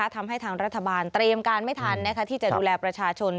ทำให้ทางรัฐบาลเตรียมการไม่ทันที่จะดูแลประชาชน